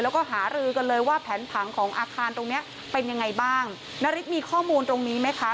แล้วก็หารือกันเลยว่าแผนผังของอาคารตรงเนี้ยเป็นยังไงบ้างนาริสมีข้อมูลตรงนี้ไหมคะ